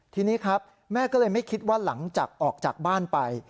ทีนี้ครับแม่ก็เลยไม่คิดว่าหลังจากออกจากบ้านไป